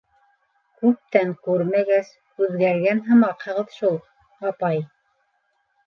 - Күптән күрмәгәс, үҙгәргән һымаҡһығыҙ шул, апай.